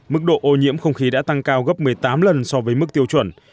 mức độ ô nhiễm không khí đã tăng cao gấp một mươi tám lần so với mức tiêu chuẩn